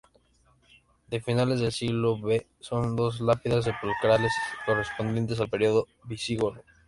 De finales del siglo V son dos lápidas sepulcrales, correspondientes al periodo visigodo.